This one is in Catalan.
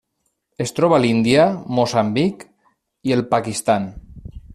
Es troba a l'Índia, Moçambic i el Pakistan.